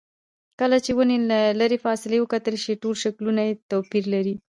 کله چې ونې له لرې فاصلې وکتل شي ټول شکلونه یې توپیر لري.